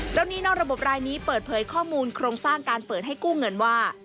หนี้นอกระบบรายนี้เปิดเผยข้อมูลโครงสร้างการเปิดให้กู้เงินว่า